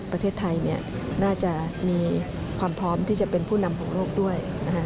ประเทศไทยน่าจะมีความพร้อมที่จะเป็นผู้นำของโลกด้วยนะคะ